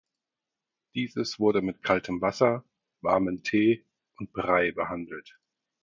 Dieses wurde mit kaltem Wasser, warmen Tee und Brei behandelt.